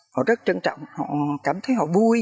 họ rất trân trọng họ cảm thấy họ vui